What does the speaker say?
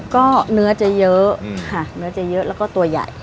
ก็เนื้อจะเยอะค่ะเนื้อจะเยอะแล้วก็ตัวใหญ่